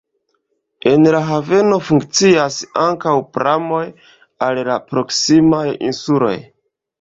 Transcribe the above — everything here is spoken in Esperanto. En la haveno funkcias ankaŭ pramoj al la proksimaj insuloj.